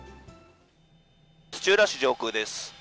土浦市上空です。